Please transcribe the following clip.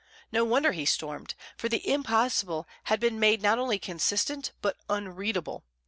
No wonder he stormed, for the impossible had been made not only consistent, but unreadable.